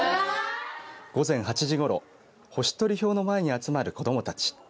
午前８時ごろ星取り表の前に集まる子どもたち。